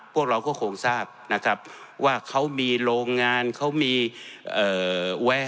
พวกเราก็คงทราบนะครับว่าเขามีโรงงานเขามีแวะ